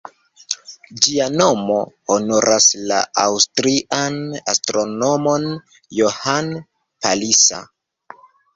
Ĝia nomo honoras la aŭstrian astronomon Johann Palisa.